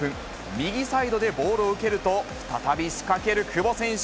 右サイドでボールを受けると、再び仕掛ける久保選手。